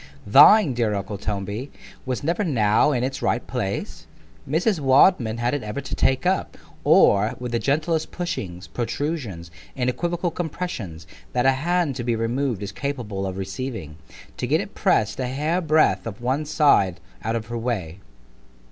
Thine, dear uncle Toby! was never now in 'ts right place——Mrs. Wadman had it ever to take up, or, with the gentlest pushings, protrusions, and equivocal compressions, that a hand to be removed is capable of receiving——to get it press'd a hair breadth of one side out of her way.